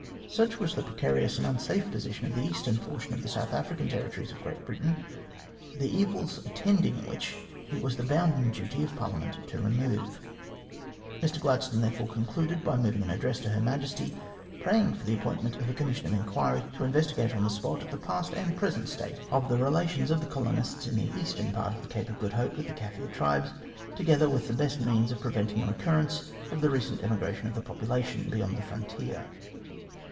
Such was the precarious and unsafe position of the eastern portion of the South African territories of Great Britain, the evils attending which it was the bounden duty of Parliament to remove. Mr Gladstone, therefore, concluded by moving an address to Her Majesty, praying for the appointment of a commission of inquiry to investigate on the spot the past and present state of the relations of the MR GLADSTONE AND THE COLONIES 229 colonists in the eastern part of the Cape of Good Hope with the Kaffir tribes, together with the best means of preventing a recurrence of the recent emigration of the population beyond the frontier.